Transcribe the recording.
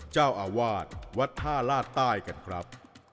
เจ้าอาวาสวัดท่าลาดใต้กันครับ